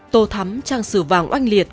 tô thắm trang sử vàng oanh liệt